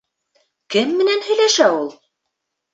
Кем менән һөйләшә ул?